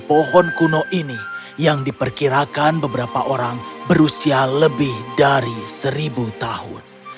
pohon kuno ini yang diperkirakan beberapa orang berusia lebih dari seribu tahun